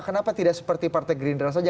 kenapa tidak seperti partai gerindra saja